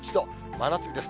真夏日です。